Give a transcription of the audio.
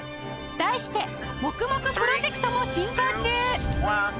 題してもくもくプロジェクトも進行中！